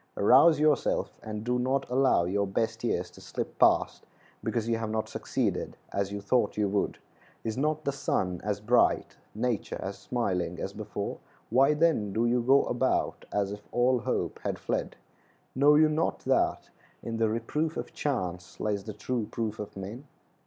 Rouse yourself, and do not allow your best years to slip past because you have not succeeded as you thought you would. Is not the sun as bright, nature as smiling as before? Why, then, do you go about as if all hope had fled? Know you not that "In the reproof of chance Lies the true proof of men."